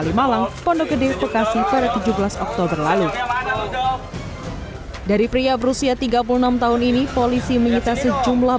kalimalang pondok gede bekasi pada tujuh belas oktober lalu dari pria berusia tiga puluh enam tahun ini polisi menyita sejumlah